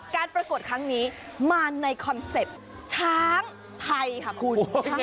การประกวดครั้งนี้มาในคอนเซ็ปต์ช้างไทยค่ะคุณ